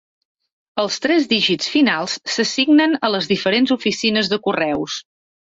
Els tres dígits finals s'assignen a les diferents oficines de correus.